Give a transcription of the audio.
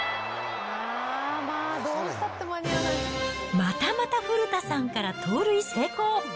またまた古田さんから盗塁成功。